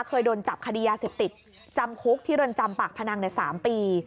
เคยโดนจับคดียาเสพติดจำคุกที่เรือนจำปากพนังใน๓ปี